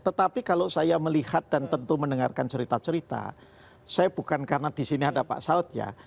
tetapi kalau saya melihat dan tentu mendengarkan cerita cerita saya bukan karena di sini ada pak saud ya